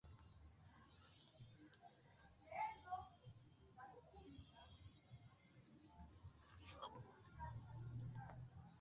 Areoj de agrikultura grundo estas ampleksaj, malgraŭ tio senlaboreco en agrikulturo senĉese malaltiĝas.